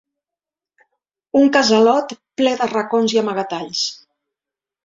Un casalot ple de racons i amagatalls.